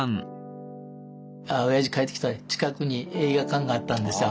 おやじ帰ってきたら近くに映画館があったんですよ。